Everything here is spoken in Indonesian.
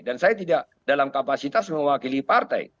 dan saya tidak dalam kapasitas mewakili partai